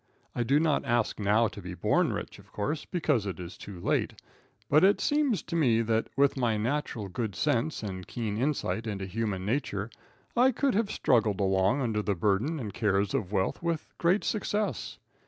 I do not ask now to be born rich, of course, because it is too late; but it seems to me that, with my natural good sense and keen insight into human nature, I could have struggled along under the burdens and cares of wealth with great success.